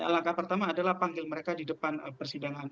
langkah pertama adalah panggil mereka di depan persidangan